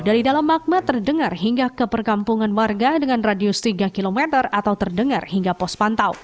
dari dalam magma terdengar hingga ke perkampungan warga dengan radius tiga km atau terdengar hingga pos pantau